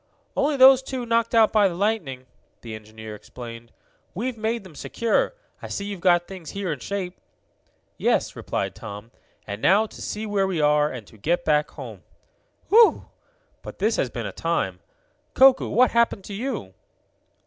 "Only those two knocked out by the lightning," the engineer explained. "We've made them secure. I see you've got things here in shape." "Yes," replied Tom. "And now to see where we are, and to get back home. Whew! But this has been a time! Koku, what happened to you?"